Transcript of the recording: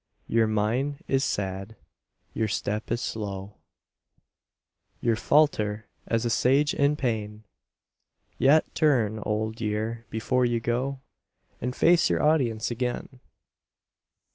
Your mien is sad, your step is slow; You falter as a Sage in pain; Yet turn, Old Year, before you go, And face your audience again.